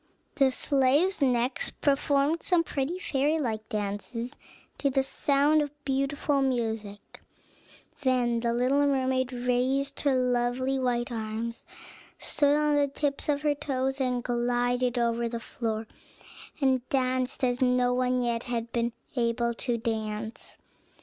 The slaves next performed some pretty fairy like dances, to the sound of beautiful music. Then the little mermaid raised her lovely white arms, stood on the tips of her toes, and glided over the floor, and danced as no one yet had been able to dance.